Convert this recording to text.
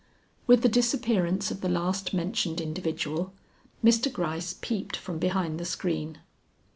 With the disappearance of the last mentioned individual, Mr. Gryce peeped from behind the screen.